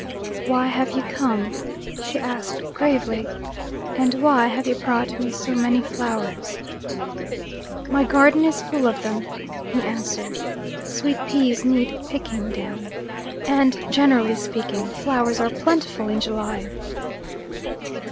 "Why have you come?" she asked gravely, "and why have you brought me so many flowers?" "My garden is full of them," he answered. "Sweetpeas need picking down. And, generally speaking, flowers are plentiful in July."